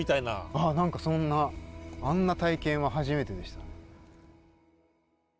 ああ何かそんなあんな体験は初めてでした。